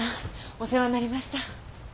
お世話になりました。